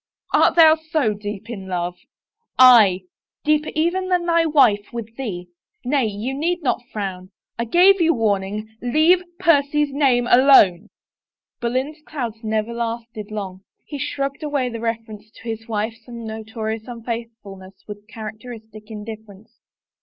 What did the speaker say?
Art thou so deep in love ?" Aye — deeper even than thy wife with thee! ... Nay, you need not frown. I gave you warning — leave Percy's name alone." Boleyn's clouds never lasted long; he shrugged away the reference to his wife's notorious unfaithfulness with characteristic indifference.